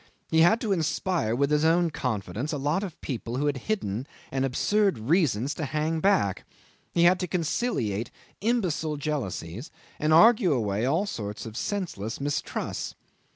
He had to inspire with his own confidence a lot of people who had hidden and absurd reasons to hang back; he had to conciliate imbecile jealousies, and argue away all sorts of senseless mistrusts.